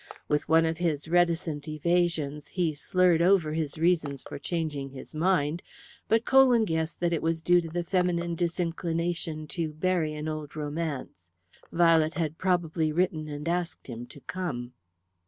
With one of his reticent evasions he slurred over his reason for changing his mind, but Colwyn guessed that it was due to the feminine disinclination to bury an old romance. Violet had probably written and asked him to come.